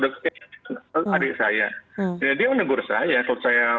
dokter adik saya dia menegur saya kalau saya